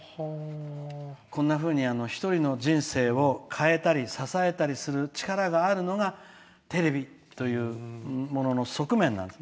こんなふうに一人の人生を変えたり支えたりすることができるのがテレビというものの側面なんです。